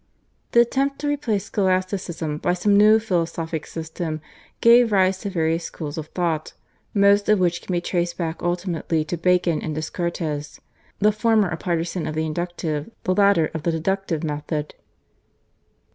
The attempt to replace Scholasticism by some new philosophic system gave rise to various schools of thought, most of which can be traced back ultimately to Bacon and Descartes, the former a partisan of the inductive, the latter of the deductive method.